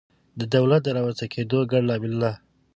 د دولت د رامنځته کېدو ګڼ لاملونه